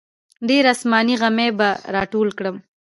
ډېر اسماني غمي به راټول کړم.